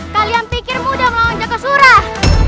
kalian pikir mudah melawan jaga surah